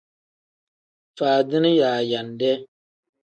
Faadini yaayande.